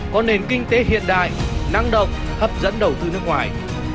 có nền kinh tế hiện đại năng động hấp dẫn đầu tư nước ngoài